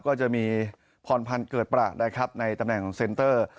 ก็จะมีพรพันธ์เกิดประนะครับในตำแหน่งเซ็นเตอร์